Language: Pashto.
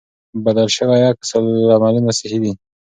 بدل شوي عکس العملونه صحي دي.